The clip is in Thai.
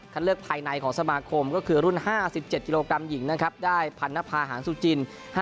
เลือกภายในของสมาคมก็คือรุ่น๕๗กิโลกรัมหญิงนะครับได้พันนภาหางสุจิน